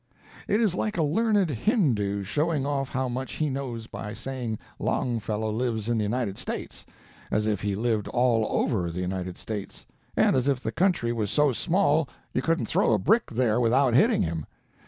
It is like a learned Hindoo showing off how much he knows by saying Longfellow lives in the United States—as if he lived all over the United States, and as if the country was so small you couldn't throw a brick there without hitting him.